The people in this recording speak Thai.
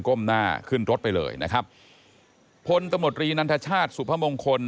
้มหน้าขึ้นรถไปเลยนะครับพลตมตรีนันทชาติสุพมงคล